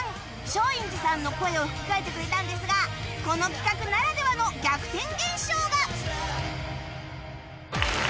松陰寺さんの声を吹き替えてくれたんですがこの企画ならではの逆転現象が